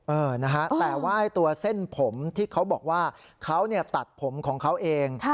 เออนะฮะแต่ว่าตัวเส้นผมที่เขาบอกว่าเขาตัดผมของเขาเอง